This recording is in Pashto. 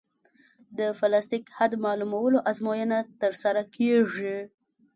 د پلاستیک حد معلومولو ازموینه ترسره کیږي